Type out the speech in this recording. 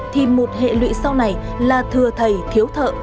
thì một hệ lụy sau này là thừa thầy thiếu thợ